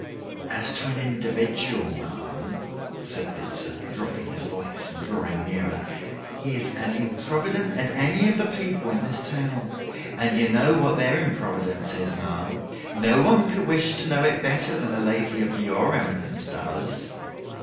'As to an individual, ma'am,' said Bitzer, dropping his voice and drawing nearer, 'he is as improvident as any of the people in this town. And you know what their improvidence is, ma'am. No one could wish to know it better than a lady of your eminence does.